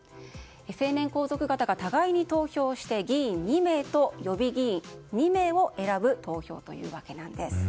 成年皇族方が互いに投票して議員２名と予備議員２名を選ぶ投票というわけなんです。